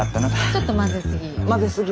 ちょっと混ぜすぎ。